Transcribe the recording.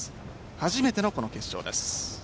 初めてのこの決勝です。